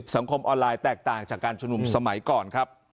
สังคมออนไลน์แตกต่างจากการชุมนุมสมัยก่อนครับ